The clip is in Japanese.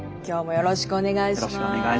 よろしくお願いします。